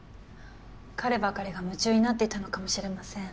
彼ばかりが夢中になっていたのかもしれません。